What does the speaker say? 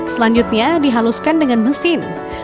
selanjutnya dihaluskan dengan mesin